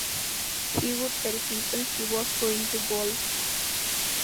He would tell people he was going to golf.